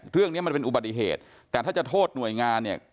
เรื่องนี้มันเป็นอุบัติเหตุแต่ถ้าจะโทษหน่วยงานเนี่ย